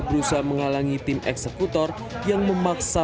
berusaha menghalangi tim eksekutor yang memaksa